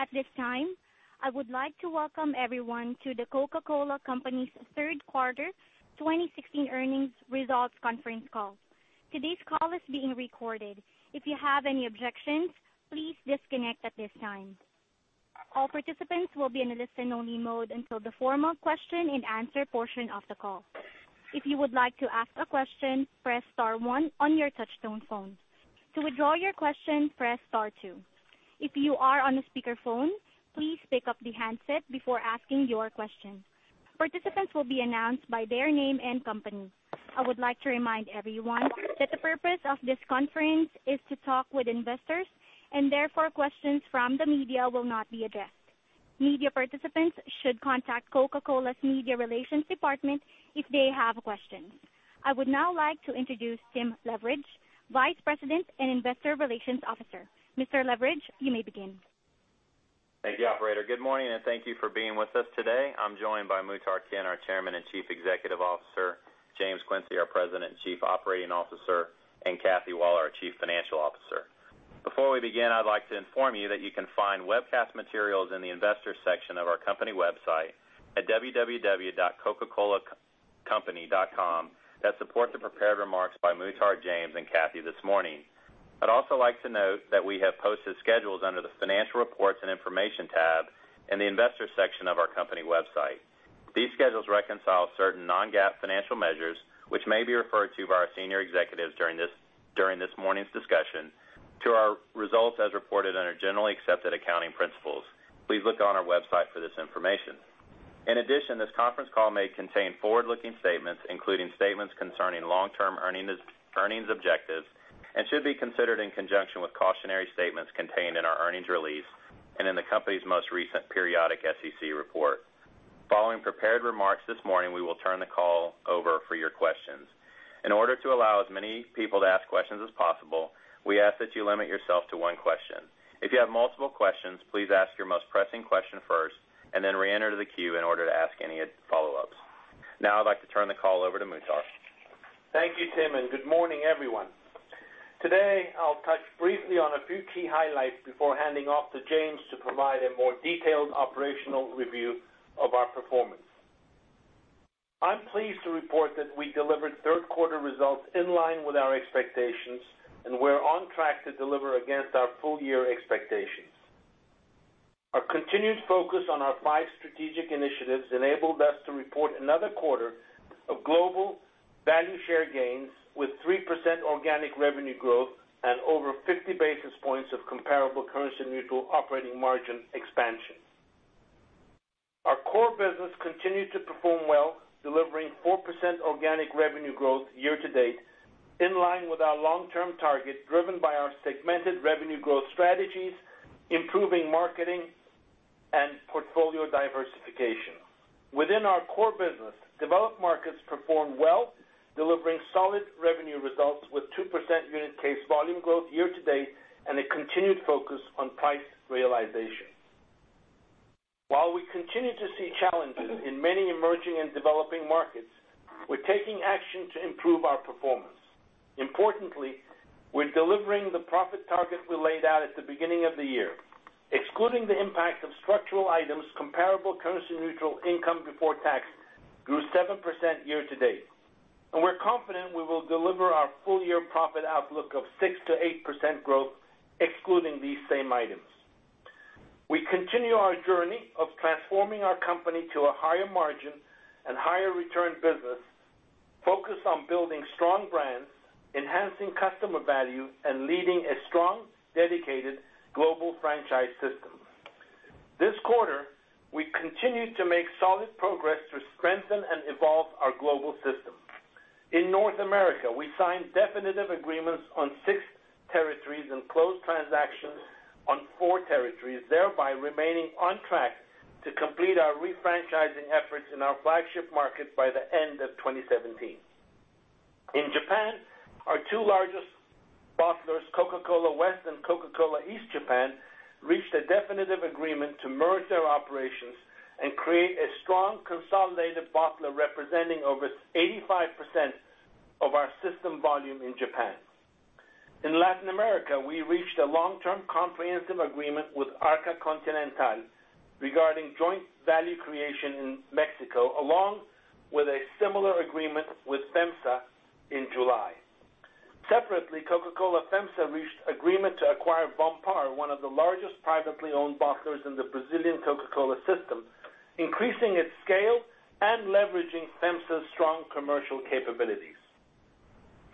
At this time, I would like to welcome everyone to The Coca-Cola Company's third quarter 2016 earnings results conference call. Today's call is being recorded. If you have any objections, please disconnect at this time. All participants will be in a listen-only mode until the formal question and answer portion of the call. If you would like to ask a question, press star one on your touchtone phone. To withdraw your question, press star two. If you are on a speakerphone, please pick up the handset before asking your question. Participants will be announced by their name and company. I would like to remind everyone that the purpose of this conference is to talk with investors, and therefore, questions from the media will not be addressed. Media participants should contact Coca-Cola's media relations department if they have questions. I would now like to introduce Tim Leveridge, Vice President and Investor Relations Officer. Mr. Leveridge, you may begin. Thank you, operator. Good morning, and thank you for being with us today. I'm joined by Muhtar Kent, our Chairman and Chief Executive Officer, James Quincey, our President and Chief Operating Officer, and Kathy Waller, our Chief Financial Officer. Before we begin, I'd like to inform you that you can find webcast materials in the investors section of our company website at www.coca-colacompany.com that support the prepared remarks by Muhtar, James, and Kathy this morning. I'd also like to note that we have posted schedules under the financial reports and information tab in the investors section of our company website. These schedules reconcile certain non-GAAP financial measures, which may be referred to by our senior executives during this morning's discussion to our results as reported under generally accepted accounting principles. Please look on our website for this information. In addition, this conference call may contain forward-looking statements, including statements concerning long-term earnings objectives and should be considered in conjunction with cautionary statements contained in our earnings release and in the company's most recent periodic SEC report. Following prepared remarks this morning, we will turn the call over for your questions. In order to allow as many people to ask questions as possible, we ask that you limit yourself to one question. If you have multiple questions, please ask your most pressing question first and then reenter the queue in order to ask any follow-ups. Now I'd like to turn the call over to Muhtar. Thank you, Tim, and good morning, everyone. Today, I'll touch briefly on a few key highlights before handing off to James to provide a more detailed operational review of our performance. I'm pleased to report that we delivered third quarter results in line with our expectations, and we're on track to deliver against our full-year expectations. Our continued focus on our five strategic initiatives enabled us to report another quarter of global value share gains with 3% organic revenue growth and over 50 basis points of comparable currency-neutral operating margin expansion. Our core business continued to perform well, delivering 4% organic revenue growth year-to-date, in line with our long-term target, driven by our segmented revenue growth strategies, improving marketing, and portfolio diversification. Within our core business, developed markets performed well, delivering solid revenue results with 2% unit case volume growth year-to-date and a continued focus on price realization. While we continue to see challenges in many emerging and developing markets, we're taking action to improve our performance. Importantly, we're delivering the profit target we laid out at the beginning of the year. Excluding the impact of structural items, comparable currency-neutral income before tax grew 7% year-to-date, we're confident we will deliver our full-year profit outlook of 6% to 8% growth excluding these same items. We continue our journey of transforming our company to a higher margin and higher return business, focused on building strong brands, enhancing customer value, and leading a strong, dedicated global franchise system. This quarter, we continued to make solid progress to strengthen and evolve our global system. In North America, we signed definitive agreements on six territories and closed transactions on four territories, thereby remaining on track to complete our refranchising efforts in our flagship market by the end of 2017. In Japan, our two largest bottlers, Coca-Cola West and Coca-Cola East Japan, reached a definitive agreement to merge their operations and create a strong consolidated bottler representing over 85% of our system volume in Japan. In Latin America, we reached a long-term comprehensive agreement with Arca Continental regarding joint value creation in Mexico, along with a similar agreement with FEMSA in July. Separately, Coca-Cola FEMSA reached agreement to acquire Vonpar, one of the largest privately owned bottlers in the Brazilian Coca-Cola system, increasing its scale and leveraging FEMSA's strong commercial capabilities.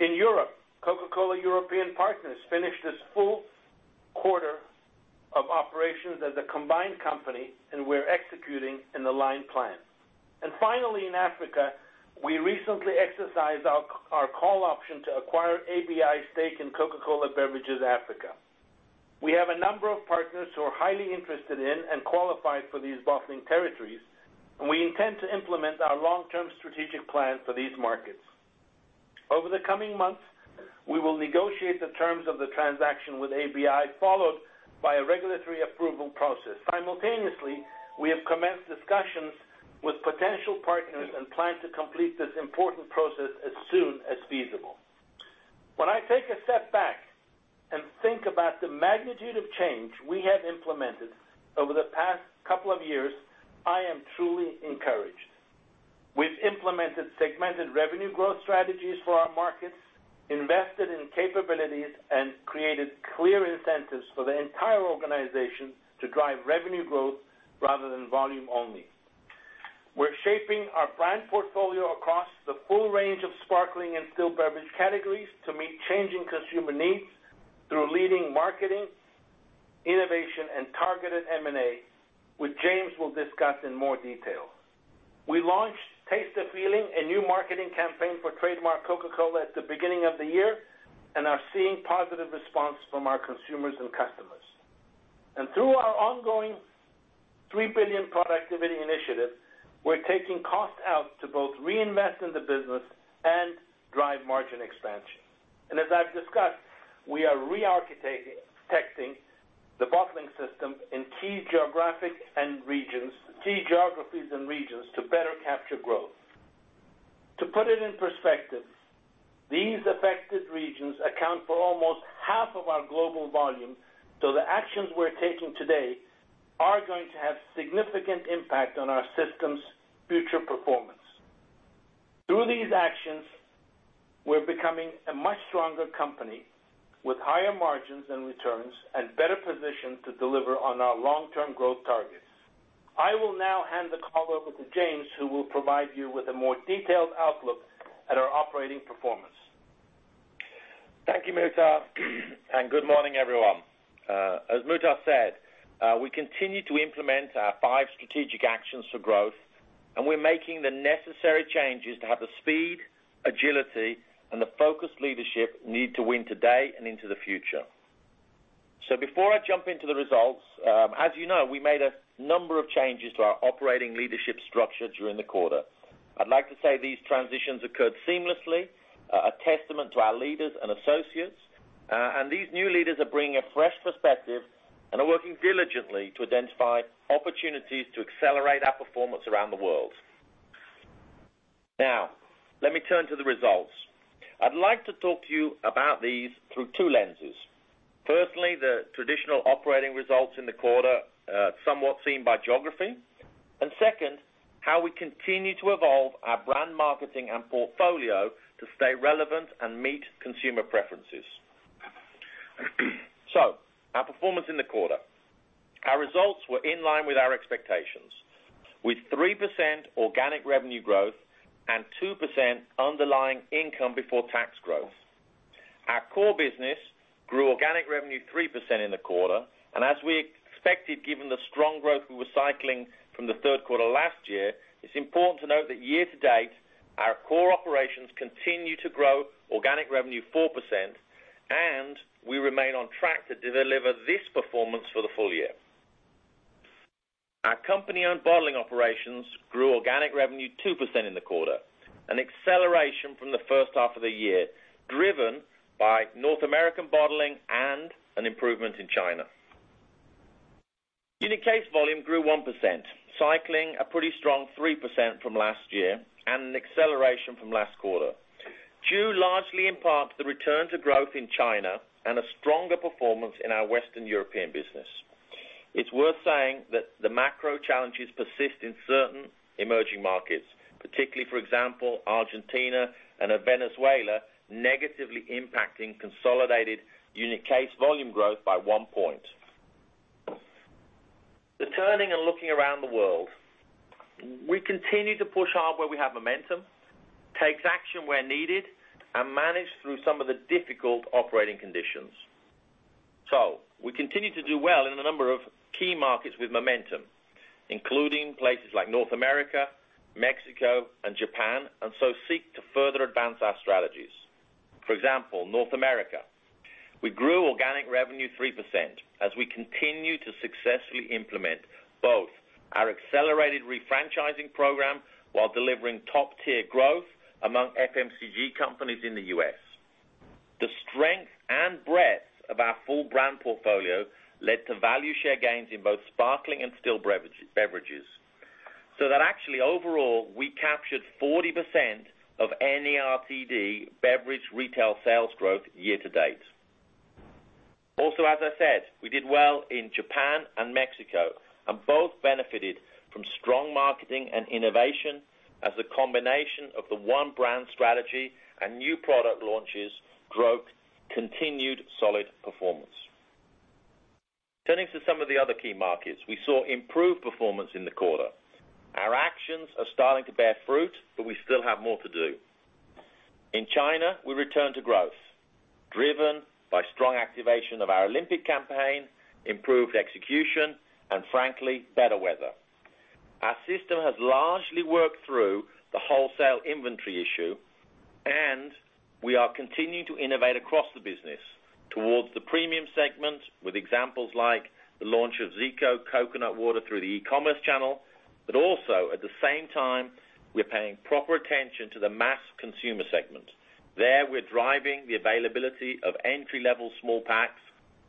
In Europe, Coca-Cola European Partners finished its full quarter of operations as a combined company, we're executing an aligned plan. Finally, in Africa, we recently exercised our call option to acquire ABI's stake in Coca-Cola Beverages Africa. We have a number of partners who are highly interested in and qualified for these bottling territories, we intend to implement our long-term strategic plan for these markets. Over the coming months, we will negotiate the terms of the transaction with ABI, followed by a regulatory approval process. Simultaneously, we have commenced discussions with potential partners and plan to complete this important process as soon as feasible. When I take a step back and think about the magnitude of change we have implemented over the past couple of years, I am truly encouraged. We've implemented segmented revenue growth strategies for our markets, invested in capabilities, and created clear incentives for the entire organization to drive revenue growth rather than volume only. We're shaping our brand portfolio across the full range of sparkling and still beverage categories to meet changing consumer needs through leading marketing, innovation, and targeted M&A, which James will discuss in more detail. We launched Taste the Feeling, a new marketing campaign for trademark Coca-Cola, at the beginning of the year, and are seeing positive response from our consumers and customers. Through our ongoing $3 billion productivity initiative, we're taking cost out to both reinvest in the business and drive margin expansion. As I've discussed, we are re-architecting the bottling system in key geographies and regions to better capture growth. To put it in perspective, these affected regions account for almost half of our global volume. The actions we're taking today are going to have significant impact on our system's future performance. Through these actions, we're becoming a much stronger company with higher margins and returns, and better positioned to deliver on our long-term growth targets. I will now hand the call over to James, who will provide you with a more detailed outlook at our operating performance. Thank you, Muhtar. Good morning, everyone. As Muhtar said, we continue to implement our five strategic actions for growth, and we're making the necessary changes to have the speed, agility, and the focused leadership needed to win today and into the future. Before I jump into the results, as you know, we made a number of changes to our operating leadership structure during the quarter. I'd like to say these transitions occurred seamlessly, a testament to our leaders and associates. These new leaders are bringing a fresh perspective and are working diligently to identify opportunities to accelerate our performance around the world. Let me turn to the results. I'd like to talk to you about these through two lenses. Firstly, the traditional operating results in the quarter, somewhat seen by geography. Second, how we continue to evolve our brand marketing and portfolio to stay relevant and meet consumer preferences. Our performance in the quarter. Our results were in line with our expectations. With 3% organic revenue growth and 2% underlying income before tax growth. Our core business grew organic revenue 3% in the quarter, and as we expected, given the strong growth we were cycling from the third quarter last year, it's important to note that year to date, our core operations continue to grow organic revenue 4%, and we remain on track to deliver this performance for the full year. Our company-owned bottling operations grew organic revenue 2% in the quarter, an acceleration from the first half of the year, driven by North American bottling and an improvement in China. Unit case volume grew 1%, cycling a pretty strong 3% from last year, and an acceleration from last quarter, due largely in part to the return to growth in China and a stronger performance in our Western European business. It's worth saying that the macro challenges persist in certain emerging markets, particularly, for example, Argentina and Venezuela, negatively impacting consolidated unit case volume growth by one point. Turning and looking around the world, we continue to push hard where we have momentum, take action where needed, and manage through some of the difficult operating conditions. We continue to do well in a number of key markets with momentum, including places like North America, Mexico, and Japan, and seek to further advance our strategies. For example, North America. We grew organic revenue 3% as we continue to successfully implement both our accelerated refranchising program while delivering top-tier growth among FMCG companies in the U.S. The strength and breadth of our full brand portfolio led to value share gains in both sparkling and still beverages. That actually overall, we captured 40% of NARTD beverage retail sales growth year to date. As I said, we did well in Japan and Mexico, and both benefited from strong marketing and innovation as a combination of the One Brand strategy and new product launches drove continued solid performance. Turning to some of the other key markets, we saw improved performance in the quarter. Our actions are starting to bear fruit, but we still have more to do. In China, we return to growth, driven by strong activation of our Olympic campaign, improved execution, and frankly, better weather. Our system has largely worked through the wholesale inventory issue, and we are continuing to innovate across the business towards the premium segment with examples like the launch of ZICO coconut water through the e-commerce channel. Also, at the same time, we're paying proper attention to the mass consumer segment. There, we're driving the availability of entry-level small packs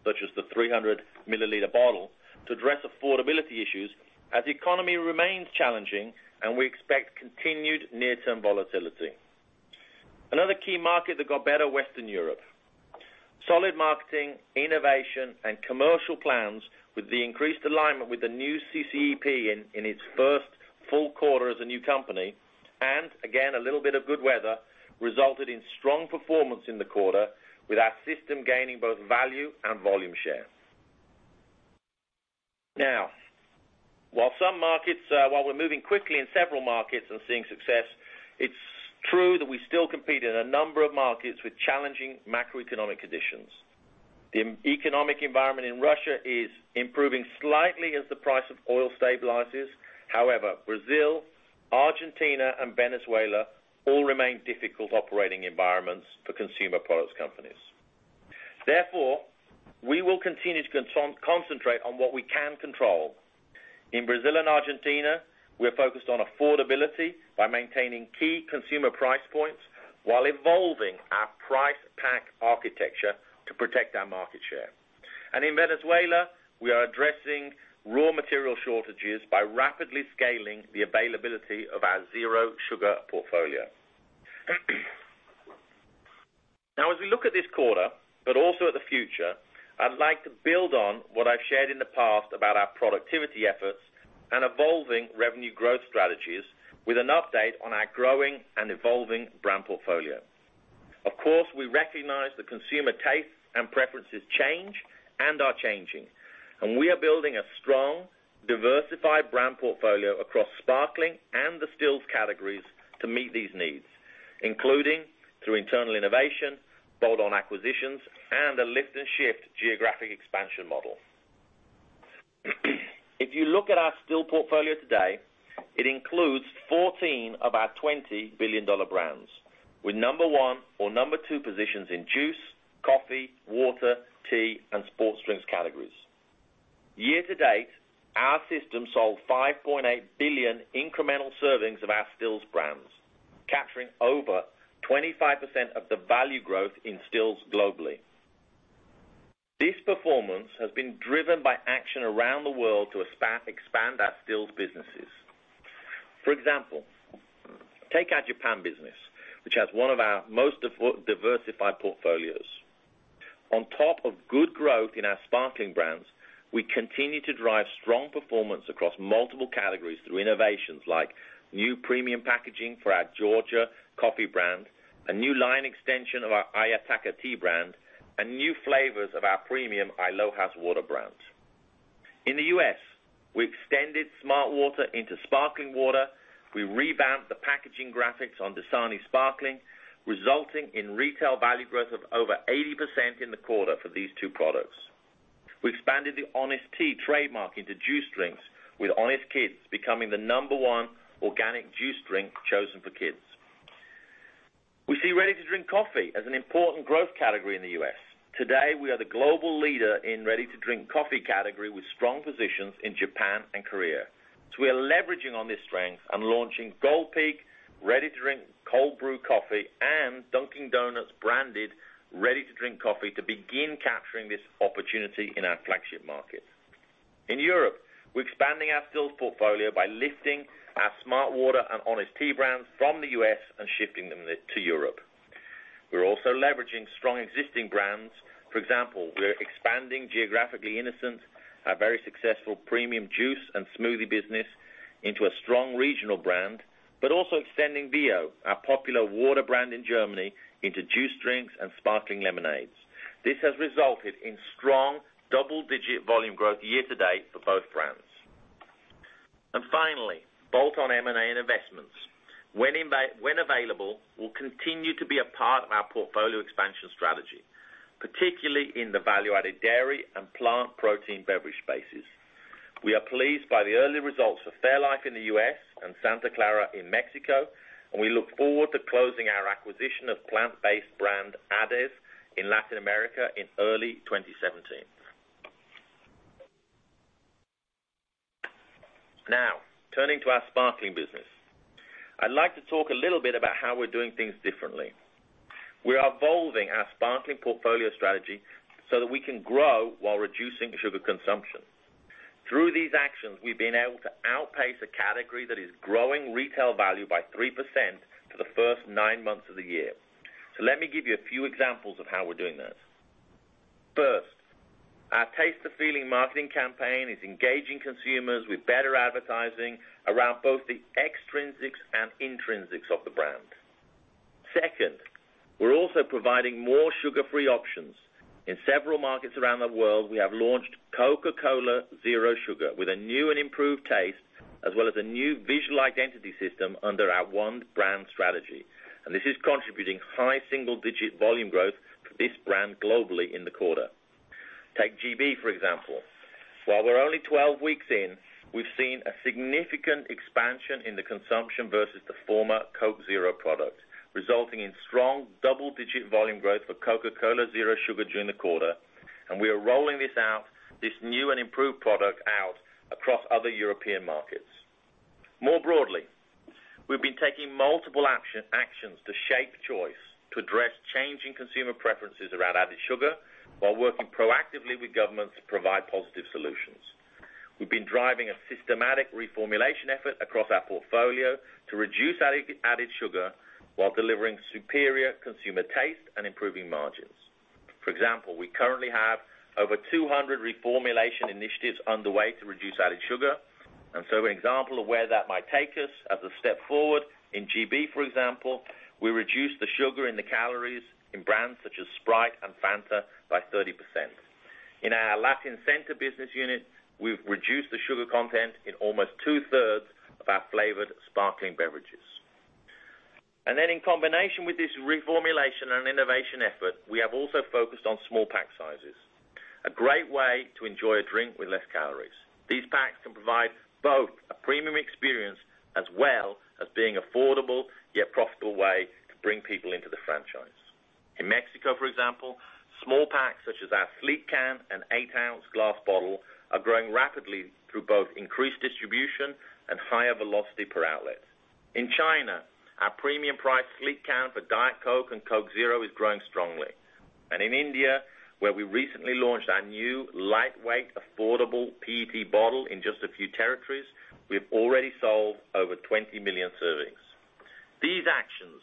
such as the 300-milliliter bottle to address affordability issues as the economy remains challenging and we expect continued near-term volatility. Another key market that got better, Western Europe. Solid marketing, innovation, and commercial plans with the increased alignment with the new CCEP in its first full quarter as a new company, and again, a little bit of good weather, resulted in strong performance in the quarter, with our system gaining both value and volume share. Now, while we're moving quickly in several markets and seeing success, it's true that we still compete in a number of markets with challenging macroeconomic conditions. The economic environment in Russia is improving slightly as the price of oil stabilizes. Brazil, Argentina, and Venezuela all remain difficult operating environments for consumer products companies. We will continue to concentrate on what we can control. In Brazil and Argentina, we are focused on affordability by maintaining key consumer price points while evolving our price pack architecture to protect our market share. In Venezuela, we are addressing raw material shortages by rapidly scaling the availability of our Zero Sugar portfolio. As we look at this quarter, but also at the future, I'd like to build on what I've shared in the past about our productivity efforts and evolving revenue growth strategies with an update on our growing and evolving brand portfolio. Of course, we recognize that consumer tastes and preferences change and are changing, and we are building a strong, diversified brand portfolio across sparkling and the stills categories to meet these needs, including through internal innovation, bolt-on acquisitions, and a lift and shift geographic expansion model. If you look at our still portfolio today, it includes 14 of our $20 billion brands, with number 1 or number 2 positions in juice, coffee, water, tea, and sports drinks categories. Year to date, our system sold 5.8 billion incremental servings of our stills brands, capturing over 25% of the value growth in stills globally. This performance has been driven by action around the world to expand our stills businesses. For example, take our Japan business, which has one of our most diversified portfolios. On top of good growth in our sparkling brands, we continue to drive strong performance across multiple categories through innovations like new premium packaging for our Georgia coffee brand, a new line extension of our Ayataka tea brand, and new flavors of our premium I LOHAS water brands. In the U.S., we extended smartwater into sparkling water. We revamped the packaging graphics on DASANI Sparkling, resulting in retail value growth of over 80% in the quarter for these two products. We expanded the Honest Tea trademark into juice drinks, with Honest Kids becoming the number 1 organic juice drink chosen for kids. We see ready-to-drink coffee as an important growth category in the U.S. Today, we are the global leader in ready-to-drink coffee category with strong positions in Japan and Korea. We are leveraging on this strength and launching Gold Peak ready-to-drink cold brew coffee and Dunkin' Donuts branded ready-to-drink coffee to begin capturing this opportunity in our flagship market. In Europe, we're expanding our stills portfolio by lifting our smartwater and Honest Tea brands from the U.S. and shifting them to Europe. We're also leveraging strong existing brands. For example, we're expanding geographically Innocent, our very successful premium juice and smoothie business, into a strong regional brand, but also extending ViO, our popular water brand in Germany, into juice drinks and sparkling lemonades. This has resulted in strong double-digit volume growth year to date for both brands. Finally, bolt-on M&A and investments. When available, we'll continue to be a part of our portfolio expansion strategy, particularly in the value-added dairy and plant protein beverage spaces. We are pleased by the early results of fairlife in the U.S. and Santa Clara in Mexico, and we look forward to closing our acquisition of plant-based brand AdeS in Latin America in early 2017. Turning to our sparkling business. I'd like to talk a little bit about how we're doing things differently. We are evolving our sparkling portfolio strategy so that we can grow while reducing sugar consumption. Through these actions, we've been able to outpace a category that is growing retail value by 3% for the first nine months of the year. Let me give you a few examples of how we're doing this. First, our Taste the Feeling marketing campaign is engaging consumers with better advertising around both the extrinsics and intrinsics of the brand. Second, we're also providing more sugar-free options. In several markets around the world, we have launched Coca-Cola Zero Sugar with a new and improved taste, as well as a new visual identity system under our One Brand strategy. This is contributing high single-digit volume growth for this brand globally in the quarter. Take GB, for example. While we're only 12 weeks in, we've seen a significant expansion in the consumption versus the former Coke Zero product, resulting in strong double-digit volume growth for Coca-Cola Zero Sugar during the quarter. We are rolling this new and improved product out across other European markets. More broadly we've been taking multiple actions to shape choice to address changing consumer preferences around added sugar while working proactively with governments to provide positive solutions. We've been driving a systematic reformulation effort across our portfolio to reduce added sugar while delivering superior consumer taste and improving margins. For example, we currently have over 200 reformulation initiatives underway to reduce added sugar. An example of where that might take us as a step forward, in GB, for example, we reduced the sugar in the calories in brands such as Sprite and Fanta by 30%. In our Latin Center business unit, we've reduced the sugar content in almost two-thirds of our flavored sparkling beverages. In combination with this reformulation and innovation effort, we have also focused on small pack sizes, a great way to enjoy a drink with less calories. These packs can provide both a premium experience as well as being affordable, yet profitable way to bring people into the franchise. In Mexico, for example, small packs such as our sleek can and eight-ounce glass bottle are growing rapidly through both increased distribution and higher velocity per outlet. In China, our premium price sleek can for Diet Coke and Coke Zero is growing strongly. In India, where we recently launched our new lightweight, affordable PET bottle in just a few territories, we've already sold over 20 million servings. These actions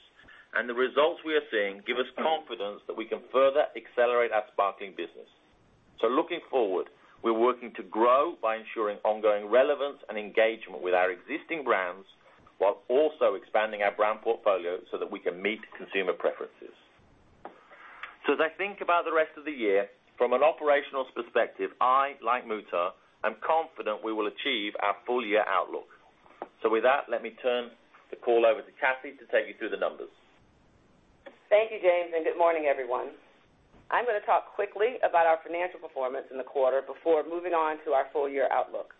and the results we are seeing give us confidence that we can further accelerate our sparkling business. Looking forward, we're working to grow by ensuring ongoing relevance and engagement with our existing brands, while also expanding our brand portfolio so that we can meet consumer preferences. As I think about the rest of the year, from an operational perspective, I, like Muhtar, am confident we will achieve our full year outlook. With that, let me turn the call over to Kathy to take you through the numbers. Thank you, James. Good morning, everyone. I'm going to talk quickly about our financial performance in the quarter before moving on to our full year outlook.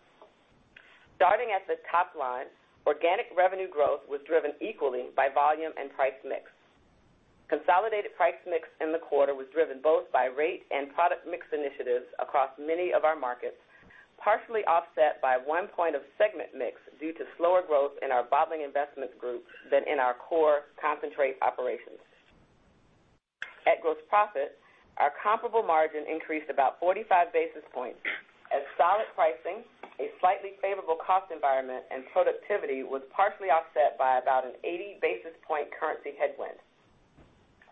Starting at the top line, organic revenue growth was driven equally by volume and price mix. Consolidated price mix in the quarter was driven both by rate and product mix initiatives across many of our markets, partially offset by 1 point of segment mix due to slower growth in our Bottling Investment Group than in our core concentrate operations. At gross profit, our comparable margin increased about 45 basis points as solid pricing, a slightly favorable cost environment, and productivity was partially offset by about an 80 basis point currency headwind.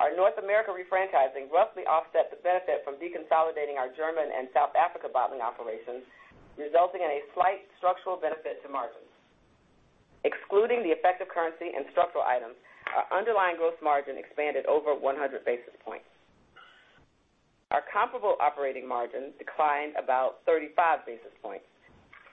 Our North America refranchising roughly offset the benefit from deconsolidating our German and South Africa bottling operations, resulting in a slight structural benefit to margins. Excluding the effect of currency and structural items, our underlying growth margin expanded over 100 basis points. Our comparable operating margin declined about 35 basis points.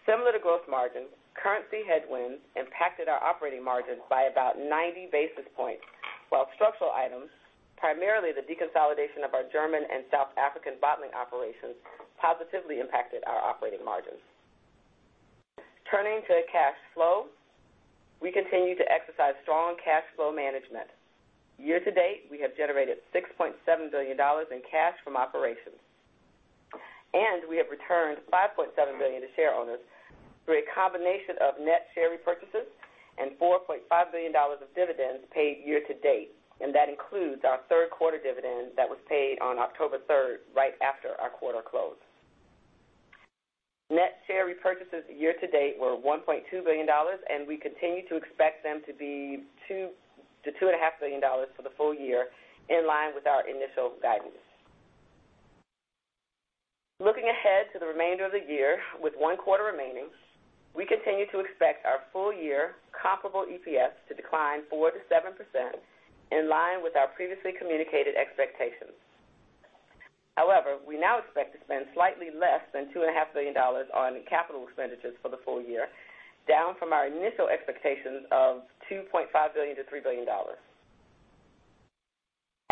Similar to growth margins, currency headwinds impacted our operating margins by about 90 basis points, while structural items, primarily the deconsolidation of our German and South African bottling operations, positively impacted our operating margins. Turning to cash flow, we continue to exercise strong cash flow management. Year to date, we have generated $6.7 billion in cash from operations. We have returned $5.7 billion to share owners through a combination of net share repurchases and $4.5 billion of dividends paid year to date. That includes our Q3 dividend that was paid on October 3, right after our quarter close. Net share repurchases year to date were $1.2 billion. We continue to expect them to be $2 billion-$2.5 billion for the full year, in line with our initial guidance. Looking ahead to the remainder of the year with 1 quarter remaining, we continue to expect our full year comparable EPS to decline 4%-7%, in line with our previously communicated expectations. However, we now expect to spend slightly less than $2.5 billion on capital expenditures for the full year, down from our initial expectations of $2.5 billion to $3 billion.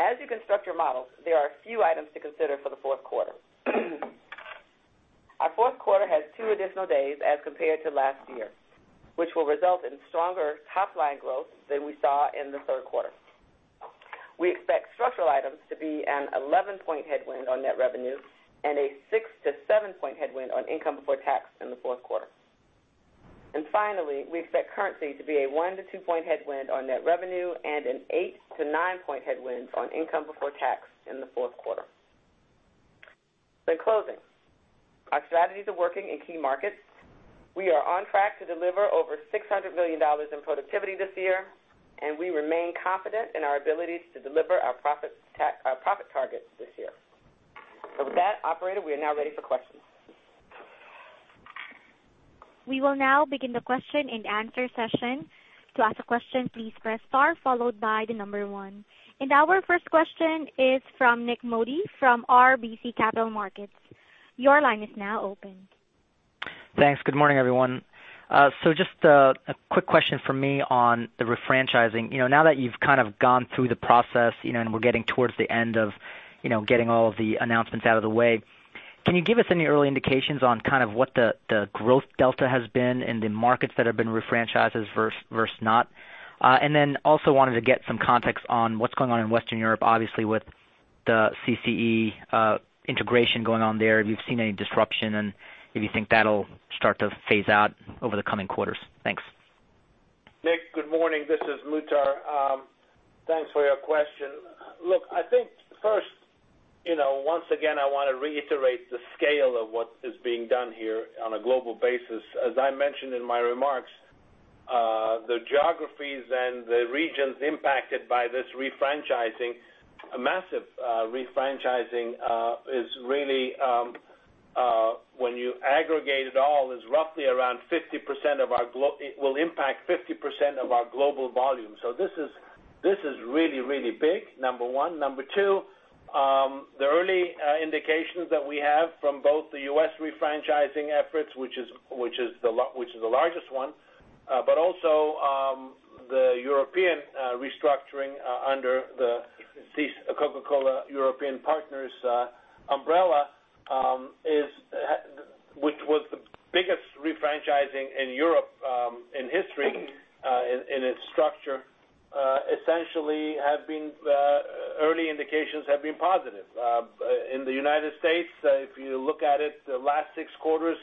As you construct your models, there are a few items to consider for the fourth quarter. Our fourth quarter has 2 additional days as compared to last year, which will result in stronger top-line growth than we saw in the Q3. We expect structural items to be an 11-point headwind on net revenue and a 6- to 7-point headwind on income before tax in the fourth quarter. Finally, we expect currency to be a 1- to 2-point headwind on net revenue and an 8- to 9-point headwind on income before tax in the fourth quarter. In closing, our strategies are working in key markets. We are on track to deliver over $600 million in productivity this year. We remain confident in our ability to deliver our profit targets this year. With that, operator, we are now ready for questions. We will now begin the question and answer session. To ask a question, please press star followed by the number one. Our first question is from Nik Modi from RBC Capital Markets. Your line is now open. Thanks. Good morning, everyone. Just a quick question from me on the refranchising. Now that you've gone through the process and we're getting towards the end of getting all of the announcements out of the way, can you give us any early indications on what the growth delta has been in the markets that have been refranchised versus not? Also wanted to get some context on what's going on in Western Europe, obviously with the CCE integration going on there, if you've seen any disruption, and if you think that'll start to phase out over the coming quarters? Thanks. Nik, good morning. This is Muhtar. Thanks for your question. I think first, once again, I want to reiterate the scale of what is being done here on a global basis. As I mentioned in my remarks, the geographies and the regions impacted by this refranchising, a massive refranchising, when you aggregate it all, it will impact 50% of our global volume. This is really, really big, number one. Number two, the early indications that we have from both the U.S. refranchising efforts, which is the largest one but also the European restructuring under the Coca-Cola European Partners umbrella, which was the biggest refranchising in Europe in history in its structure, essentially, early indications have been positive. In the United States, if you look at it, the last six quarters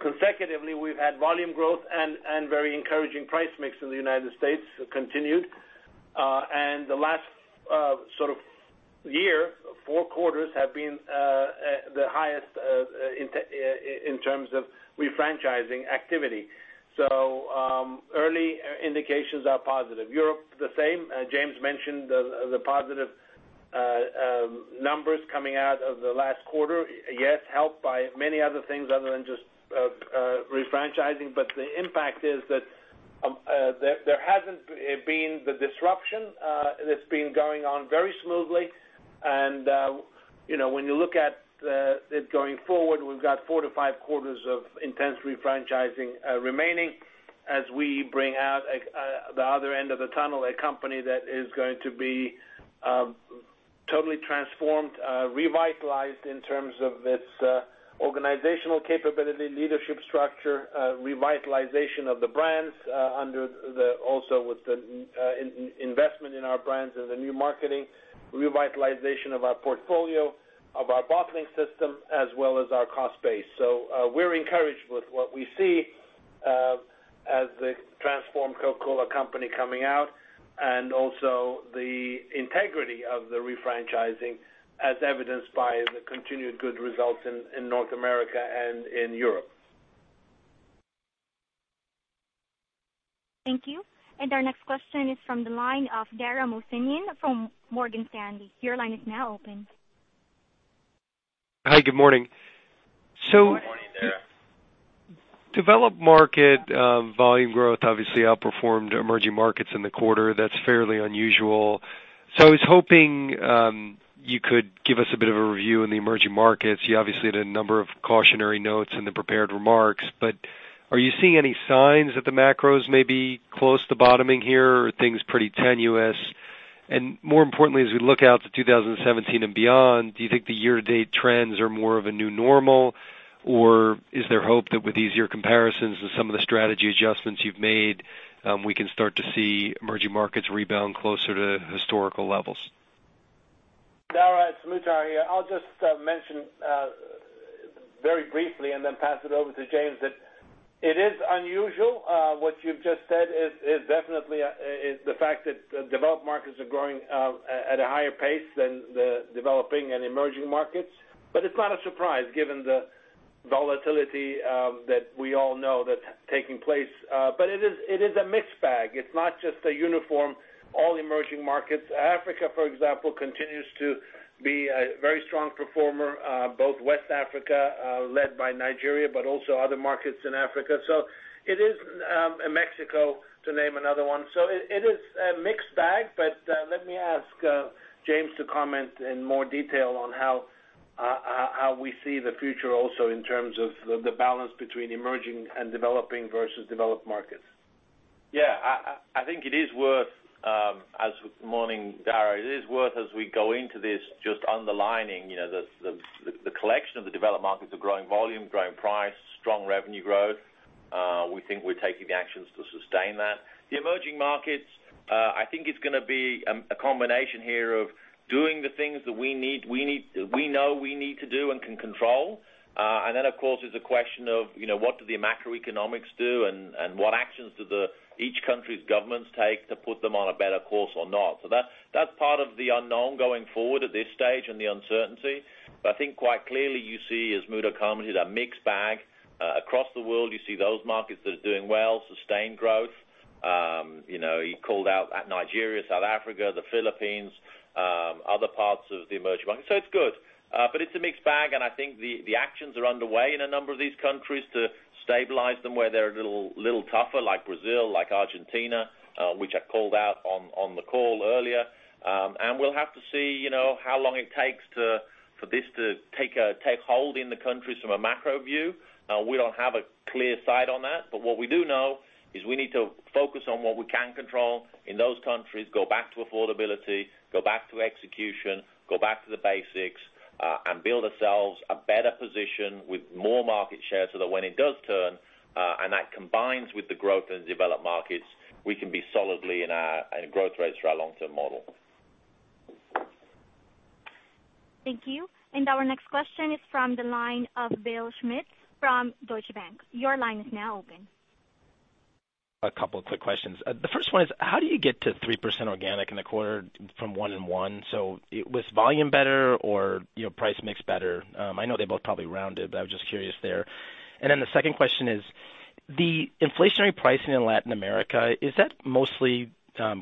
consecutively, we've had volume growth and very encouraging price mix in the United States continued. The last year, four quarters, have been the highest in terms of refranchising activity. Early indications are positive. Europe, the same. James mentioned the positive numbers coming out of the last quarter. Yes, helped by many other things other than just refranchising. The impact is that there hasn't been the disruption, and it's been going on very smoothly. When you look at it going forward, we've got four to five quarters of intense refranchising remaining as we bring out the other end of the tunnel, a company that is going to be totally transformed, revitalized in terms of its organizational capability, leadership structure, revitalization of the brands also with the investment in our brands and the new marketing, revitalization of our portfolio, of our bottling system, as well as our cost base. We're encouraged with what we see as the transformed Coca-Cola Company coming out, and also the integrity of the refranchising, as evidenced by the continued good results in North America and in Europe. Thank you. Our next question is from the line of Dara Mohsenian from Morgan Stanley. Your line is now open. Hi, good morning. Good morning, Dara. Developed market volume growth obviously outperformed emerging markets in the quarter. That's fairly unusual. I was hoping you could give us a bit of a review in the emerging markets. You obviously had a number of cautionary notes in the prepared remarks, are you seeing any signs that the macros may be close to bottoming here, or are things pretty tenuous? More importantly, as we look out to 2017 and beyond, do you think the year-to-date trends are more of a new normal, or is there hope that with easier comparisons and some of the strategy adjustments you've made, we can start to see emerging markets rebound closer to historical levels? Dara, it's Muhtar here. I'll just mention very briefly and then pass it over to James that it is unusual. What you've just said definitely is the fact that developed markets are growing at a higher pace than the developing and emerging markets. It's not a surprise given the volatility that we all know that's taking place. It is a mixed bag. It's not just a uniform, all emerging markets. Africa, for example, continues to be a very strong performer, both West Africa led by Nigeria, also other markets in Africa, and Mexico, to name another one. It is a mixed bag, let me ask James to comment in more detail on how we see the future also in terms of the balance between emerging and developing versus developed markets. I think it is worth, Dara, it is worth as we go into this, just underlining the collection of the developed markets are growing volume, growing price, strong revenue growth. We think we're taking actions to sustain that. The emerging markets, I think it's going to be a combination here of doing the things that we know we need to do and can control, then of course, there's a question of what do the macroeconomics do and what actions do each country's governments take to put them on a better course or not. That's part of the unknown going forward at this stage and the uncertainty. I think quite clearly, you see, as Muhtar commented, a mixed bag. Across the world, you see those markets that are doing well, sustained growth. He called out Nigeria, South Africa, the Philippines, other parts of the emerging market. It's good. It's a mixed bag, I think the actions are underway in a number of these countries to stabilize them where they're a little tougher, like Brazil, like Argentina, which I called out on the call earlier. We'll have to see how long it takes for this to take hold in the countries from a macro view. We don't have a clear sight on that. What we do know is we need to focus on what we can control in those countries, go back to affordability, go back to execution, go back to the basics Build ourselves a better position with more market share so that when it does turn, and that combines with the growth in developed markets, we can be solidly in our growth rates for our long-term model. Thank you. Our next question is from the line of Bill Schmitz from Deutsche Bank. Your line is now open. A couple of quick questions. The first one is, how do you get to 3% organic in the quarter from 1 in 1? Was volume better or price mix better? I know they both probably rounded, but I was just curious there. The second question is, the inflationary pricing in Latin America, is that mostly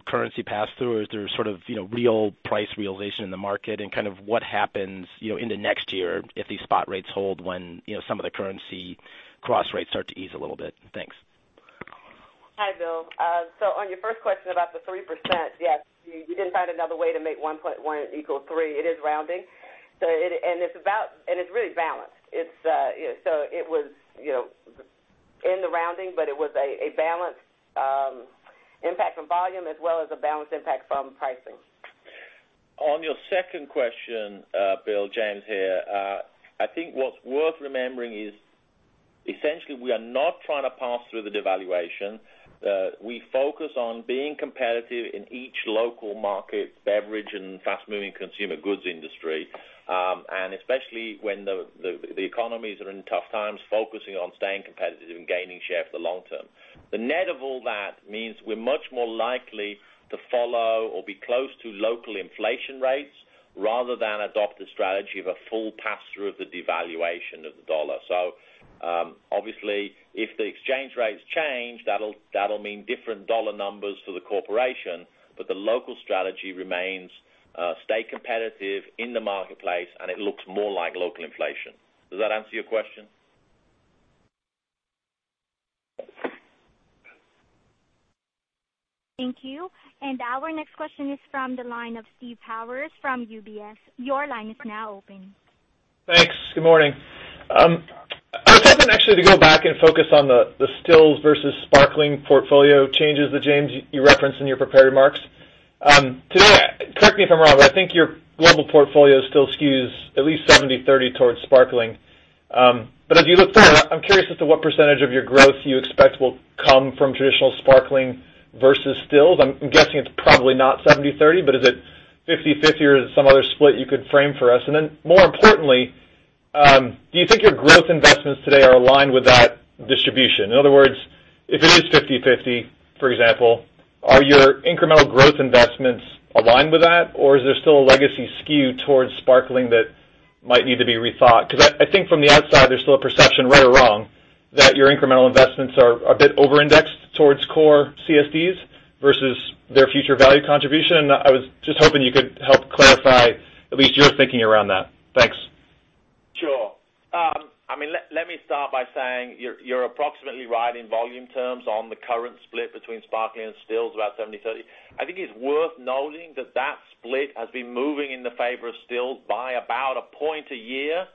currency pass-through, or is there sort of real price realization in the market? What happens into next year if these spot rates hold when some of the currency cross rates start to ease a little bit? Thanks. Hi, Bill. On your first question about the 3%, yes. We didn't find another way to make 1.1 equal 3. It is rounding. It's really balanced. It was in the rounding, but it was a balanced impact from volume as well as a balanced impact from pricing. On your second question, Bill, James here. I think what's worth remembering is essentially, we are not trying to pass through the devaluation. We focus on being competitive in each local market, beverage and fast-moving consumer goods industry. Especially when the economies are in tough times, focusing on staying competitive and gaining share for the long term. The net of all that means we're much more likely to follow or be close to local inflation rates rather than adopt a strategy of a full pass-through of the devaluation of the dollar. Obviously, if the exchange rates change, that'll mean different dollar numbers for the corporation, but the local strategy remains stay competitive in the marketplace, and it looks more like local inflation. Does that answer your question? Thank you. Our next question is from the line of Steve Powers from UBS. Your line is now open. Thanks. Good morning. I was hoping actually to go back and focus on the stills versus sparkling portfolio changes that, James, you referenced in your prepared remarks. Today, correct me if I'm wrong, but I think your global portfolio still skews at least 70/30 towards sparkling. As you look forward, I'm curious as to what % of your growth you expect will come from traditional sparkling versus stills. I'm guessing it's probably not 70/30, but is it 50/50 or some other split you could frame for us? Then more importantly, do you think your growth investments today are aligned with that distribution? In other words, if it is 50/50, for example, are your incremental growth investments aligned with that? Or is there still a legacy skew towards sparkling that might need to be rethought? I think from the outside, there's still a perception, right or wrong, that your incremental investments are a bit over-indexed towards core CSDs versus their future value contribution, I was just hoping you could help clarify at least your thinking around that. Thanks. Sure. Let me start by saying you're approximately right in volume terms on the current split between sparkling and stills, about 70/30. I think it's worth noting that that split has been moving in the favor of stills by about a point a year.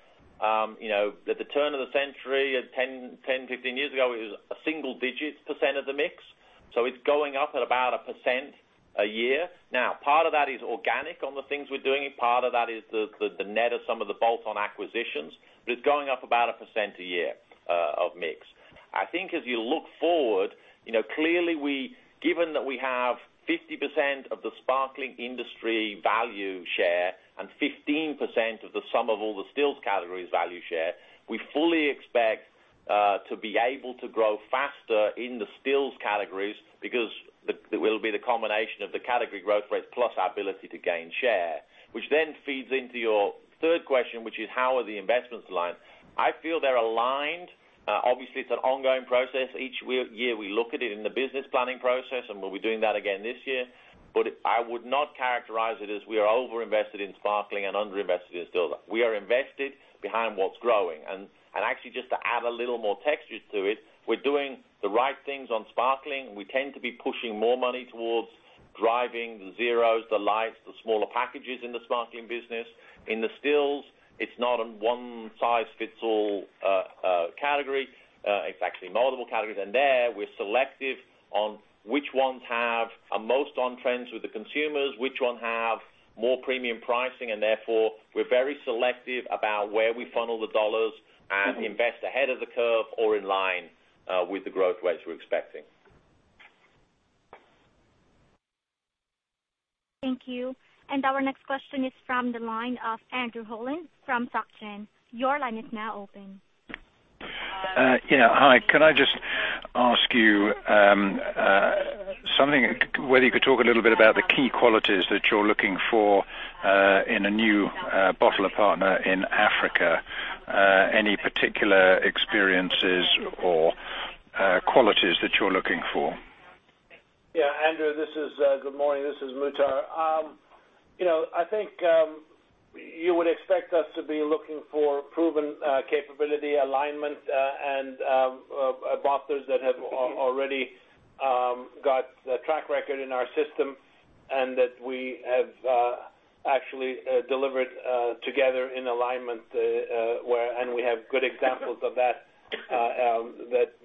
At the turn of the century, 10, 15 years ago, it was a single-digit percent of the mix, so it's going up at about a percent a year. Part of that is organic on the things we're doing, and part of that is the net of some of the bolt-on acquisitions, but it's going up about a percent a year of mix. I think as you look forward, clearly, given that we have 50% of the sparkling industry value share and 15% of the sum of all the stills categories value share, we fully expect to be able to grow faster in the stills categories because it will be the combination of the category growth rates plus our ability to gain share. Then feeds into your third question, which is how are the investments aligned? I feel they're aligned. Obviously, it's an ongoing process. Each year, we look at it in the business planning process, and we'll be doing that again this year. I would not characterize it as we are over-invested in sparkling and under-invested in stills. We are invested behind what's growing. Actually, just to add a little more texture to it, we're doing the right things on sparkling. We tend to be pushing more money towards driving the zeros, the lights, the smaller packages in the sparkling business. In the stills, it's not a one-size-fits-all category. It's actually multiple categories. There, we're selective on which ones are most on-trend with the consumers, which ones have more premium pricing, and therefore, we're very selective about where we funnel the dollars and invest ahead of the curve or in line with the growth rates we're expecting. Thank you. Our next question is from the line of Andrew Holland from Saxo Bank. Your line is now open. Yeah. Hi. Can I just ask you something, whether you could talk a little bit about the key qualities that you're looking for in a new bottler partner in Africa? Any particular experiences or qualities that you're looking for? Yeah, Andrew, good morning. This is Muhtar. I think you would expect us to be looking for proven capability alignment and bottlers that have already got a track record in our system and that we have actually delivered together in alignment. We have good examples of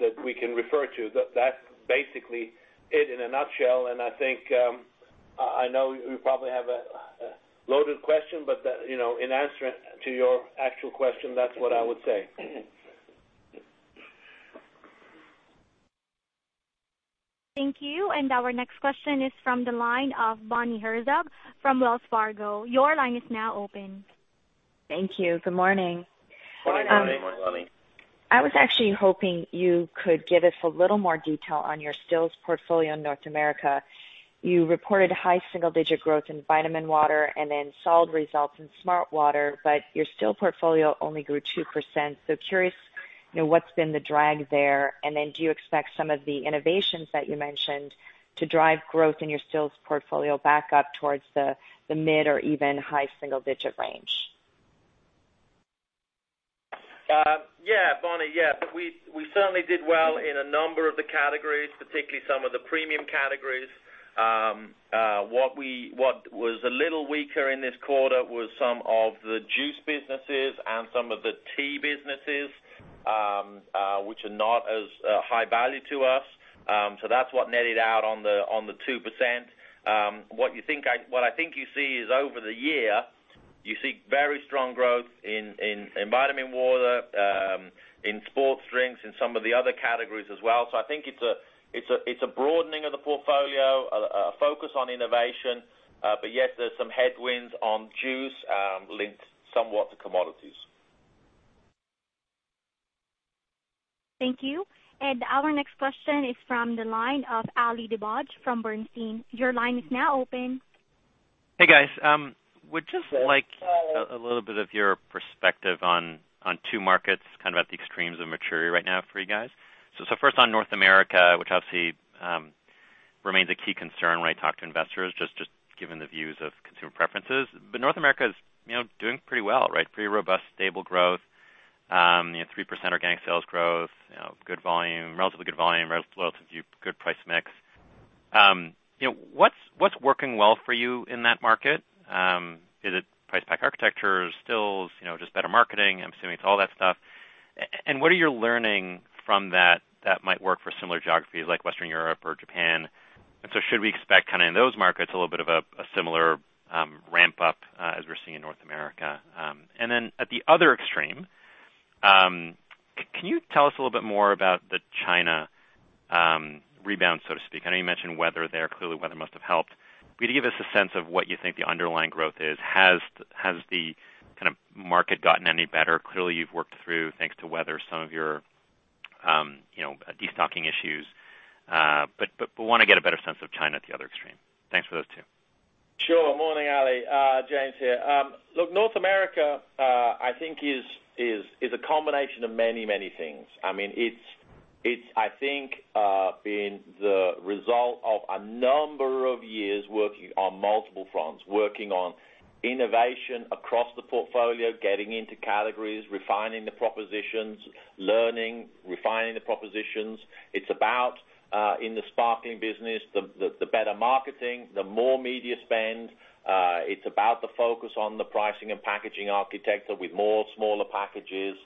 that we can refer to. That's basically it in a nutshell. I think, I know you probably have a loaded question, but in answer to your actual question, that's what I would say. Thank you. Our next question is from the line of Bonnie Herzog from Wells Fargo. Your line is now open. Thank you. Good morning. Good morning, Bonnie. I was actually hoping you could give us a little more detail on your stills portfolio in North America. You reported high single-digit growth in Vitaminwater and solid results in smartwater, but your still portfolio only grew 2%. Curious, what's been the drag there, do you expect some of the innovations that you mentioned to drive growth in your stills portfolio back up towards the mid or even high single-digit range? Yeah, Bonnie. We certainly did well in a number of the categories, particularly some of the premium categories. What was a little weaker in this quarter was some of the juice businesses and some of the tea businesses, which are not as high value to us. That's what netted out on the 2%. What I think you see is over the year, you see very strong growth in Vitaminwater, in sports drinks, in some of the other categories as well. I think it's a broadening of the portfolio, a focus on innovation. Yes, there's some headwinds on juice, linked somewhat to commodities. Thank you. Our next question is from the line of Ali Dibadj from Bernstein. Your line is now open. Hey, guys. Would just like a little bit of your perspective on two markets, kind of at the extremes of maturity right now for you guys. First on North America, which obviously remains a key concern when I talk to investors, just given the views of consumer preferences. North America is doing pretty well, right? Pretty robust, stable growth. 3% organic sales growth, relatively good volume, relatively good price mix. What's working well for you in that market? Is it price pack architecture, stills, just better marketing? I'm assuming it's all that stuff. What are you learning from that might work for similar geographies like Western Europe or Japan? Should we expect in those markets, a little bit of a similar ramp-up as we're seeing in North America? At the other extreme, can you tell us a little bit more about the China rebound, so to speak? I know you mentioned weather there. Clearly, weather must have helped. Can you give us a sense of what you think the underlying growth is? Has the kind of market gotten any better? Clearly, you've worked through, thanks to weather, some of your de-stocking issues. Want to get a better sense of China at the other extreme. Thanks for those two. Sure. Morning, Ali. James here. Look, North America, I think is a combination of many, many things. It's, I think, been the result of a number of years working on multiple fronts, working on innovation across the portfolio, getting into categories, refining the propositions, learning, refining the propositions. It's about, in the sparkling business, the better marketing, the more media spend. It's about the focus on the pricing and packaging architecture with more smaller packages.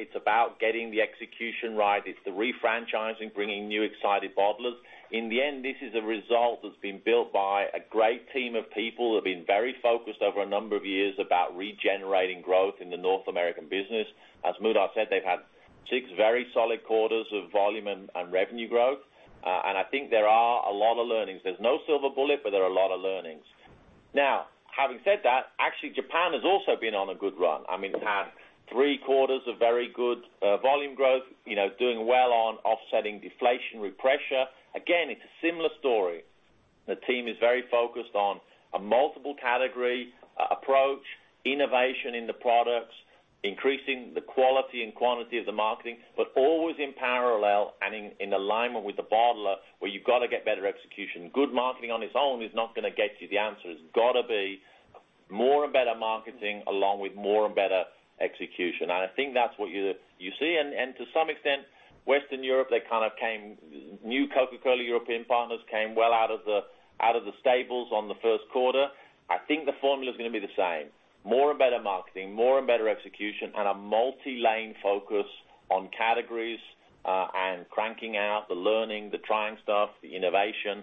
It's about getting the execution right. It's the refranchising, bringing new excited bottlers. In the end, this is a result that's been built by a great team of people who have been very focused over a number of years about regenerating growth in the North American business. As Muhtar said, they've had six very solid quarters of volume and revenue growth. I think there are a lot of learnings. There's no silver bullet, but there are a lot of learnings. Japan has also been on a good run. It's had three quarters of very good volume growth, doing well on offsetting deflationary pressure. It's a similar story. The team is very focused on a multiple category approach, innovation in the products, increasing the quality and quantity of the marketing, but always in parallel and in alignment with the bottler, where you've got to get better execution. Good marketing on its own is not going to get you the answer. It's got to be more and better marketing along with more and better execution. I think that's what you see. To some extent, Western Europe, new Coca-Cola European Partners came well out of the stables on the first quarter. I think the formula is going to be the same. More and better marketing, more and better execution, and a multi-lane focus on categories, and cranking out the learning, the trying stuff, the innovation,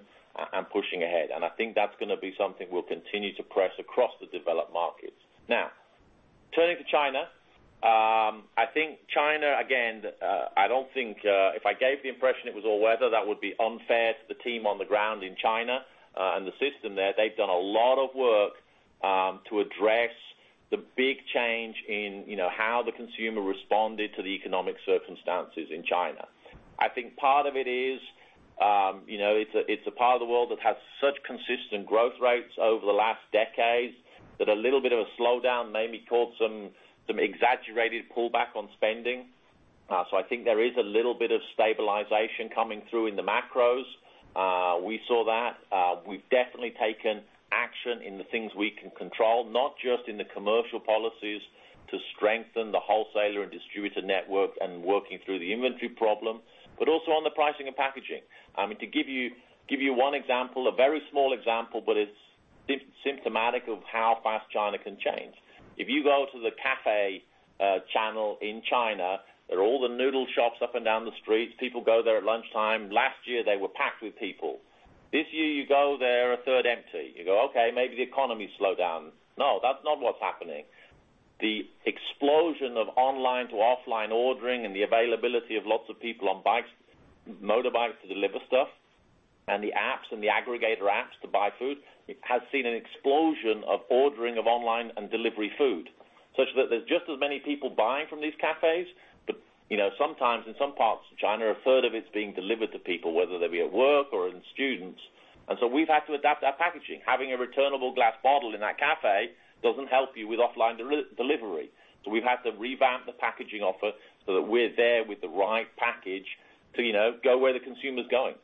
and pushing ahead. I think that's going to be something we'll continue to press across the developed markets. Turning to China. China, if I gave the impression it was all weather, that would be unfair to the team on the ground in China and the system there. They've done a lot of work to address the big change in how the consumer responded to the economic circumstances in China. Part of it is, it's a part of the world that has had such consistent growth rates over the last decades, that a little bit of a slowdown maybe caused some exaggerated pullback on spending. There is a little bit of stabilization coming through in the macros. We saw that. We've definitely taken action in the things we can control, not just in the commercial policies, strengthen the wholesaler and distributor network and working through the inventory problem, but also on the pricing and packaging. To give you one example, a very small example, but it's symptomatic of how fast China can change. If you go to the cafe channel in China, there are all the noodle shops up and down the streets. People go there at lunchtime. Last year, they were packed with people. This year, you go there, a third empty. You go, okay, maybe the economy slowed down. No, that's not what's happening. The explosion of online to offline ordering and the availability of lots of people on motorbikes to deliver stuff, and the apps and the aggregator apps to buy food, has seen an explosion of ordering of online and delivery food, such that there's just as many people buying from these cafes, but sometimes in some parts of China, a third of it's being delivered to people, whether they be at work or in students. We've had to adapt our packaging. Having a returnable glass bottle in that cafe doesn't help you with offline delivery. We've had to revamp the packaging offer so that we're there with the right package to go where the consumer's going.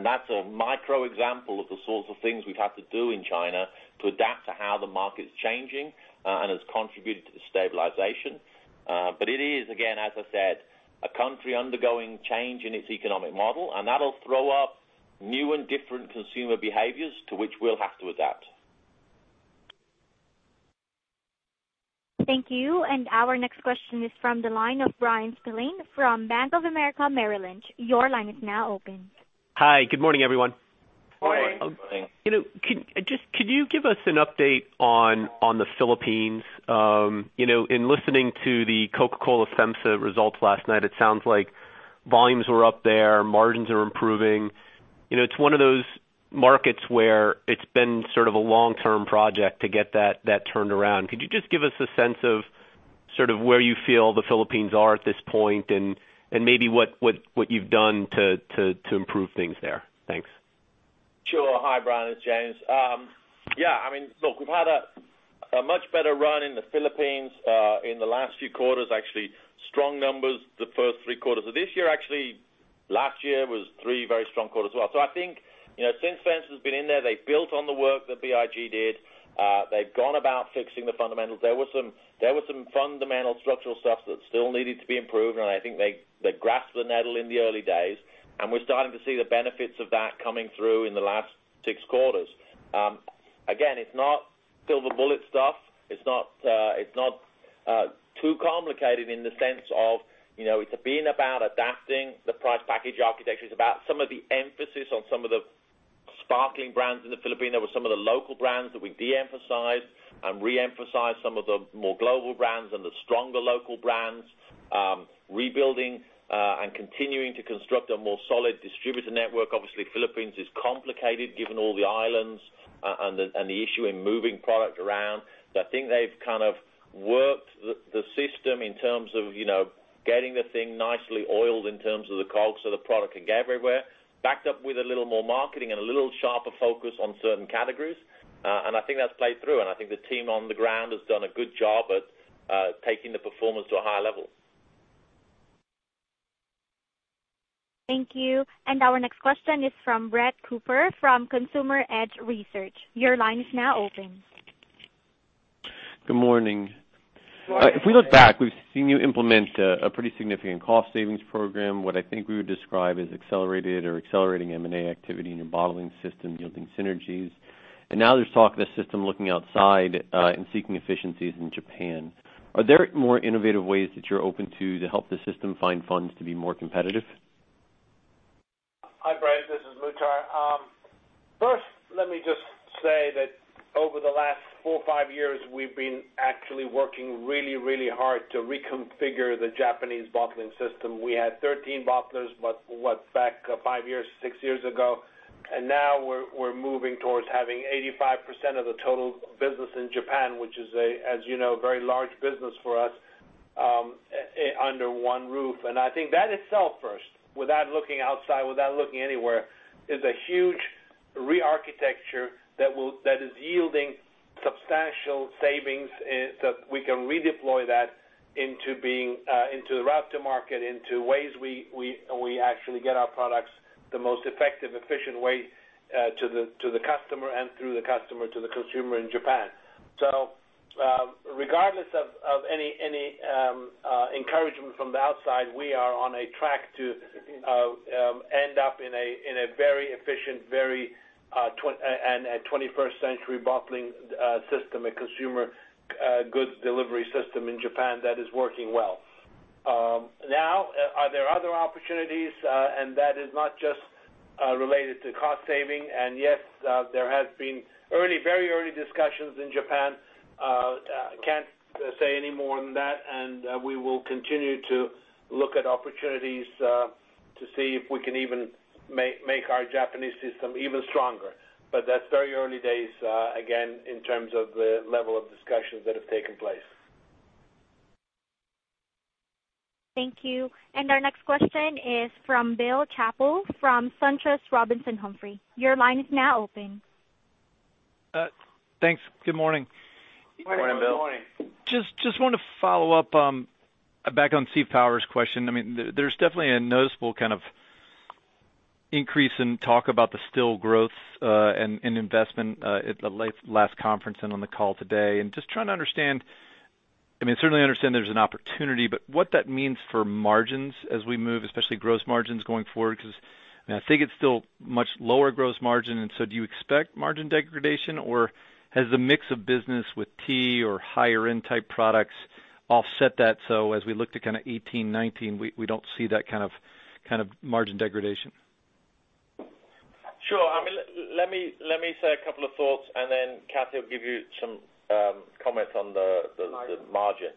That's a micro example of the sorts of things we've had to do in China to adapt to how the market's changing and has contributed to the stabilization. It is, again, as I said, a country undergoing change in its economic model, and that'll throw up new and different consumer behaviors to which we'll have to adapt. Thank you. Our next question is from the line of Bryan Spillane from Bank of America Merrill Lynch. Your line is now open. Hi, good morning, everyone. Good morning. Can you give us an update on the Philippines? In listening to the Coca-Cola FEMSA results last night, it sounds like volumes were up there, margins are improving. It's one of those markets where it's been sort of a long-term project to get that turned around. Could you just give us a sense of sort of where you feel the Philippines are at this point and maybe what you've done to improve things there? Thanks. Sure. Hi, Bryan, it's James. Yeah, look, we've had a much better run in the Philippines, in the last few quarters, actually strong numbers the first three quarters of this year, actually. Last year was three very strong quarters as well. I think, since FEMSA has been in there, they've built on the work that BIG did. They've gone about fixing the fundamentals. There was some fundamental structural stuff that still needed to be improved, and I think they grasped the nettle in the early days, and we're starting to see the benefits of that coming through in the last six quarters. Again, it's not silver bullet stuff. It's not too complicated in the sense of, it's been about adapting the price package architecture. It's about some of the emphasis on some of the sparkling brands in the Philippines. There were some of the local brands that we de-emphasized and re-emphasized some of the more global brands and the stronger local brands. Rebuilding, and continuing to construct a more solid distributor network. Obviously, Philippines is complicated given all the islands, and the issue in moving product around. I think they've kind of worked the system in terms of getting the thing nicely oiled in terms of the cold so the product can get everywhere, backed up with a little more marketing and a little sharper focus on certain categories. I think that's played through, and I think the team on the ground has done a good job at taking the performance to a higher level. Thank you. Our next question is from Brett Cooper from Consumer Edge Research. Your line is now open. Good morning. Good morning. If we look back, we've seen you implement a pretty significant cost savings program, what I think we would describe as accelerated or accelerating M&A activity in your bottling system, yielding synergies. Now there's talk of the system looking outside, and seeking efficiencies in Japan. Are there more innovative ways that you're open to help the system find funds to be more competitive? Hi, Brett. This is Muhtar. First, let me just say that over the last four or five years, we've been actually working really hard to reconfigure the Japanese bottling system. We had 13 bottlers back five years, six years ago, and now we're moving towards having 85% of the total business in Japan, which is, as you know, a very large business for us, under one roof. I think that itself first, without looking outside, without looking anywhere, is a huge re-architecture that is yielding substantial savings that we can redeploy that into the route to market, into ways we actually get our products the most effective, efficient way, to the customer and through the customer to the consumer in Japan. Regardless of any encouragement from the outside, we are on a track to end up in a very efficient and 21st century bottling system, a consumer goods delivery system in Japan that is working well. Are there other opportunities, and that is not just related to cost saving? Yes, there have been very early discussions in Japan. Can't say any more than that, and we will continue to look at opportunities, to see if we can even make our Japanese system even stronger. That's very early days, again, in terms of the level of discussions that have taken place. Thank you. Our next question is from Bill Chappell from SunTrust Robinson Humphrey. Your line is now open. Thanks. Good morning. Good morning, Bill. Just want to follow up back on Steve Powers' question. There's definitely a noticeable kind of Just trying to understand. I certainly understand there's an opportunity, what that means for margins as we move, especially gross margins going forward, because I think it's still much lower gross margin. Do you expect margin degradation, or has the mix of business with tea or higher-end type products offset that, so as we look to kind of 2018, 2019, we don't see that kind of margin degradation? Sure. Let me say a couple of thoughts, and then Kathy will give you some comments on the margin.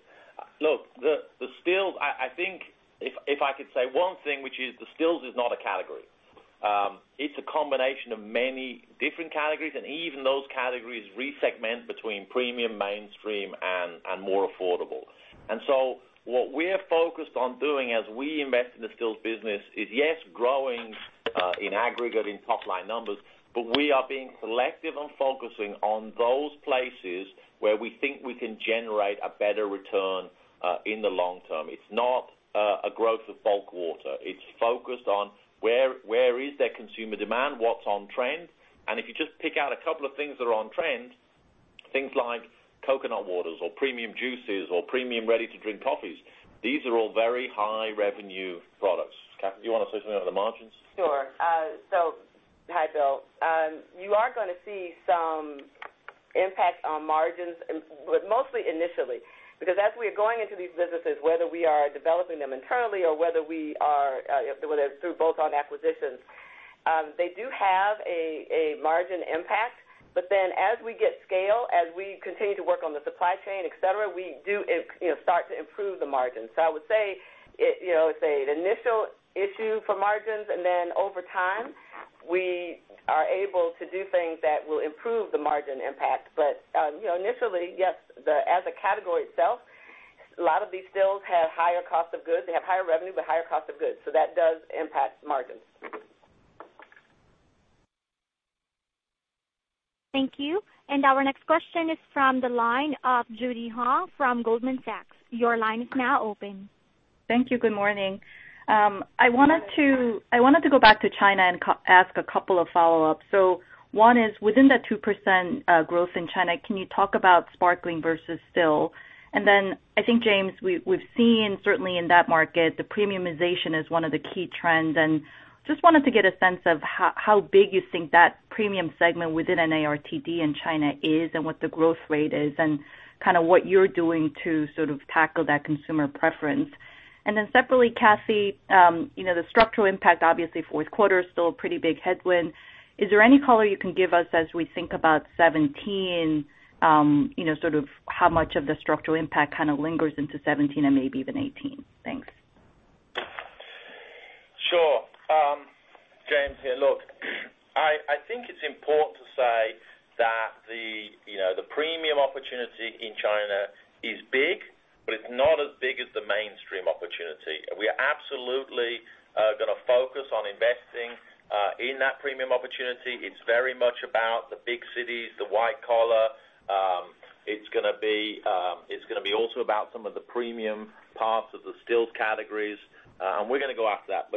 Look, the stills, I think if I could say one thing, which is the stills is not a category. It's a combination of many different categories, and even those categories re-segment between premium, mainstream, and more affordable. What we're focused on doing as we invest in the stills business is, yes, growing in aggregate in top-line numbers, but we are being selective on focusing on those places where we think we can generate a better return in the long term. It's not a growth of bulk water. It's focused on where is their consumer demand, what's on trend. If you just pick out a couple of things that are on trend, things like coconut waters or premium juices or premium ready-to-drink coffees, these are all very high-revenue products. Kathy, do you want to say something about the margins? Sure. Hi, Bill. You are going to see some impact on margins, but mostly initially, because as we are going into these businesses, whether we are developing them internally or whether through bolt-on acquisitions, they do have a margin impact. As we get scale, as we continue to work on the supply chain, et cetera, we do start to improve the margins. I would say, the initial issue for margins, and then over time, we are able to do things that will improve the margin impact. Initially, yes, as a category itself, a lot of these stills have higher cost of goods. They have higher revenue, but higher cost of goods. That does impact margins. Thank you. Our next question is from the line of Judy Hong from Goldman Sachs. Your line is now open. Thank you. Good morning. I wanted to go back to China and ask a couple of follow-ups. One is, within that 2% growth in China, can you talk about sparkling versus still? I think, James, we've seen certainly in that market, the premiumization is one of the key trends, and just wanted to get a sense of how big you think that premium segment within ARTD in China is and what the growth rate is, and what you're doing to sort of tackle that consumer preference. Separately, Kathy, the structural impact, obviously, fourth quarter is still a pretty big headwind. Is there any color you can give us as we think about 2017, sort of how much of the structural impact kind of lingers into 2017 and maybe even 2018? Thanks. Sure. James here. Look, I think it's important to say that the premium opportunity in China is big, but it's not as big as the mainstream opportunity. We are absolutely going to focus on investing in that premium opportunity. It's very much about the big cities, the white collar. It's going to be also about some of the premium parts of the stills categories, and we're going to go after that.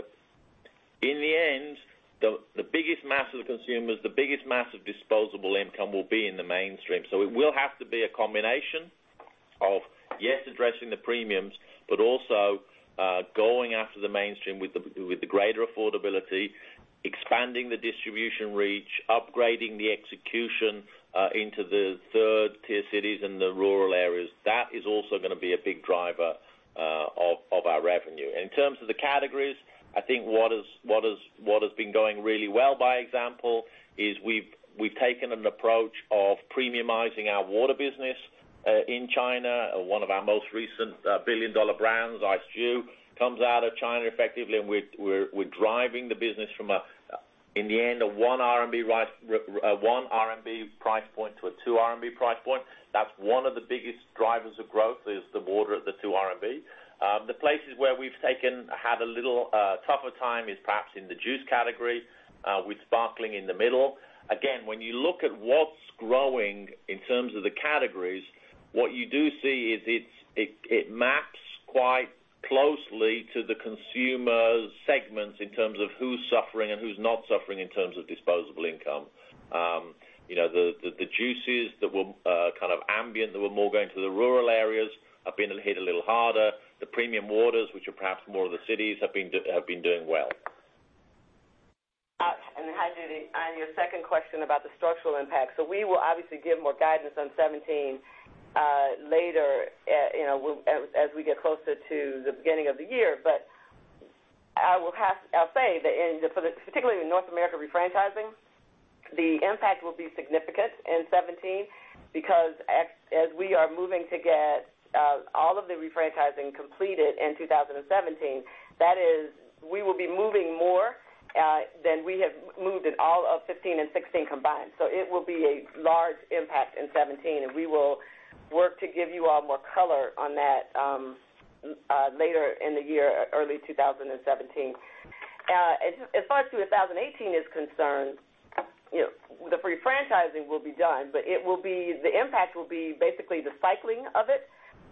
In the end, the biggest mass of consumers, the biggest mass of disposable income will be in the mainstream. It will have to be a combination of, yes, addressing the premiums, but also going after the mainstream with the greater affordability, expanding the distribution reach, upgrading the execution into the third-tier cities and the rural areas. That is also going to be a big driver of our revenue. In terms of the categories, I think what has been going really well by example, is we've taken an approach of premiumizing our water business in China. One of our most recent billion-dollar brands, Ice Dew, comes out of China effectively, and we're driving the business from a, in the end, a 1 RMB price point to a 2 RMB price point. That's one of the biggest drivers of growth, is the water at the 2 RMB. The places where we've had a little tougher time is perhaps in the juice category, with sparkling in the middle. When you look at what's growing in terms of the categories, what you do see is it maps quite closely to the consumer segments in terms of who's suffering and who's not suffering in terms of disposable income. The juices that were kind of ambient, that were more going to the rural areas, have been hit a little harder. The premium waters, which are perhaps more of the cities, have been doing well. Hi, Judy. On your second question about the structural impact. We will obviously give more guidance on 2017 later as we get closer to the beginning of the year. I'll say that, particularly in the North America refranchising, the impact will be significant in 2017 because as we are moving to get all of the refranchising completed in 2017, that is, we will be moving more than we have moved in all of 2015 and 2016 combined. It will be a large impact in 2017, and we will work to give you all more color on that later in the year, early 2017. As far as 2018 is concerned, the refranchising will be done, but the impact will be basically the cycling of it,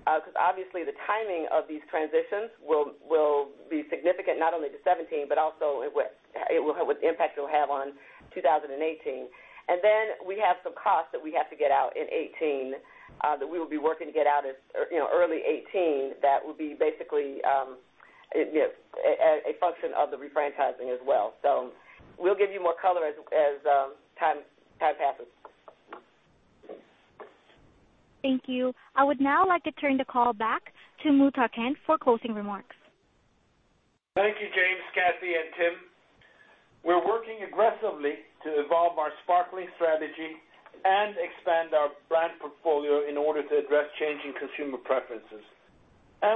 because obviously the timing of these transitions will be significant not only to 2017, but also what impact it'll have on 2018. We have some costs that we have to get out in 2018, that we will be working to get out as early 2018, that will be basically a function of the refranchising as well. We'll give you more color as time passes. Thank you. I would now like to turn the call back to Muhtar Kent for closing remarks. Thank you, James, Kathy, and Tim. We're working aggressively to evolve our sparkling strategy and expand our brand portfolio in order to address changing consumer preferences.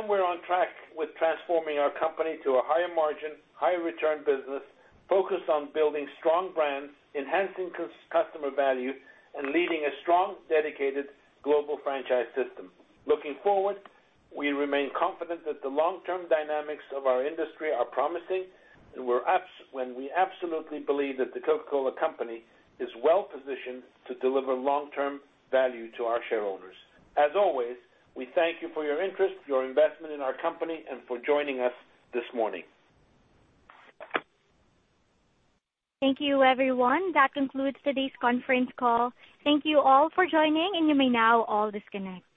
We're on track with transforming our company to a higher margin, higher return business focused on building strong brands, enhancing customer value, and leading a strong, dedicated global franchise system. Looking forward, we remain confident that the long-term dynamics of our industry are promising. We absolutely believe that The Coca-Cola Company is well-positioned to deliver long-term value to our shareholders. As always, we thank you for your interest, your investment in our company, and for joining us this morning. Thank you, everyone. That concludes today's conference call. Thank you all for joining. You may now all disconnect.